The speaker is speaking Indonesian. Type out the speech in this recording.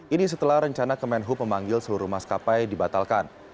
ini setelah rencana kemenhub memanggil seluruh maskapai dibatalkan